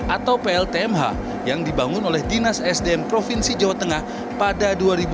atau pltmh yang dibangun oleh dinas sdm provinsi jawa tengah pada dua ribu dua puluh